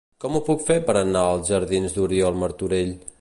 Com ho puc fer per anar als jardins d'Oriol Martorell?